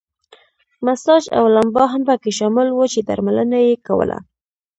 مساج او لمبا هم پکې شامل وو چې درملنه یې کوله.